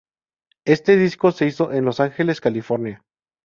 Este disco se hizo en Los Ángeles California.